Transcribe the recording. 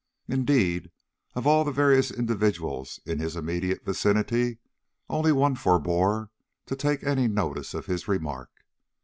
Indeed, of all the various individuals in his immediate vicinity, only one forbore to take any notice of his remark.